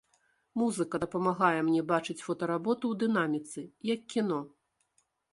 Музыка дапамагае мне бачыць фотаработу ў дынаміцы, як кіно!